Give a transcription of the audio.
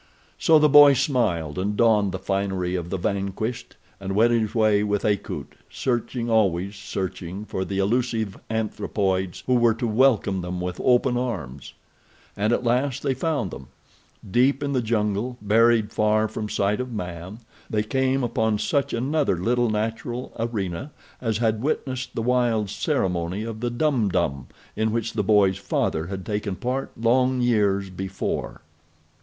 So the boy smiled and donned the finery of the vanquished, and went his way with Akut, searching, always searching for the elusive anthropoids who were to welcome them with open arms. And at last they found them. Deep in the jungle, buried far from sight of man, they came upon such another little natural arena as had witnessed the wild ceremony of the Dum Dum in which the boy's father had taken part long years before.